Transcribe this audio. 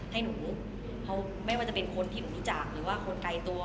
หนูว่าวันแรกวันแรกก็ร้องชาย